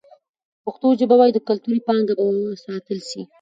که پښتو ژبه وي، نو کلتوري پانګه به وساتل سي.